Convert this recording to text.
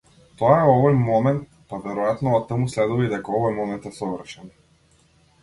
Тоа е овој момент-па веројатно оттаму следува и дека овој момент е совршен.